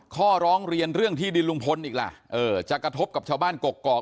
ข้อร้องเรียนเรื่องที่ดินลุงพลอีกล่ะเออจะกระทบกับชาวบ้านกกอก